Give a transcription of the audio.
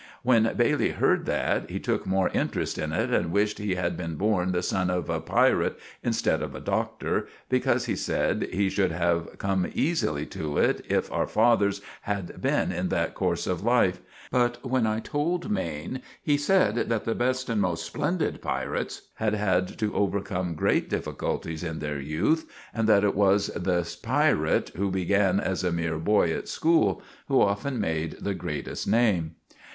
When Bailey herd that, he took more interest in it and wished he had been born the son of a pirit insted of a doctor, because he said we should have come eesily to it if our fathers had been in that corse of life; but when I told Maine, he sed that the best and most splendid pirits had had to overcome grate dificultees in their youth, and that it was the pirit who began as a meer boy at school who often made the gratest name.